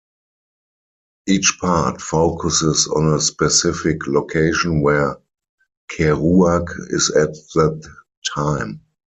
Each part focuses on a specific location where Kerouac is at that time.